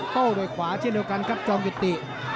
โต้ด้วยขวาเช่นเดียวกันครับจอมกิติ